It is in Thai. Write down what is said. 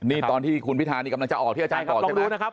นี่ตอนที่คุณพิธานี่กำลังจะออกที่อาจารย์บอกใช่ไหม